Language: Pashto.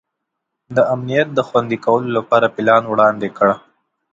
د امنیت د خوندي کولو لپاره پلان وړاندي کړ.